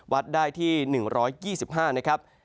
วัดได้ที่๑๒๕นะครับ